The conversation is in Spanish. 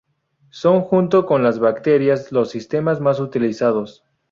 Son junto con las bacterias los sistemas más utilizados.